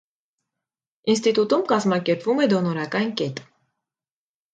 Ինստիտուտում կազմակերպվում է դոնորական կետ։